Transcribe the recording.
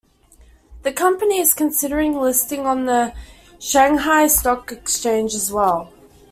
The company is considering listing on the Shanghai Stock Exchange as well.